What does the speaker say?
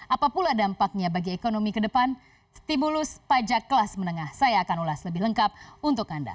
apa pula dampaknya bagi ekonomi ke depan stimulus pajak kelas menengah saya akan ulas lebih lengkap untuk anda